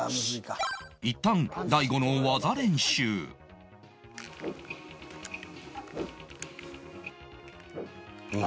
いったん大悟の技練習何？